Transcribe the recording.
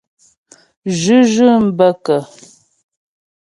Zhʉ́zhʉ̂m bə́ kə́ ?